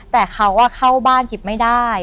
แต่เขาเข้าบ้านหยิบไม่ได้